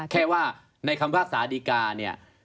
แค่ว่าในคำภาพสาธารณ์ดีการ์เนี่ย